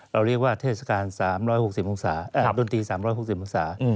เราเรียกว่าเทศกาล๓๖๐องศาดนตรี๓๖๐องศา